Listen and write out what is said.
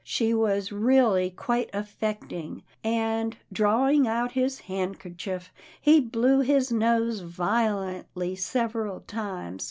She was really quite affecting, and, drawing out his handkerchief, he blew his nose violently several times.